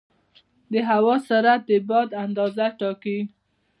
د هوا سرعت د باد اندازه ټاکي.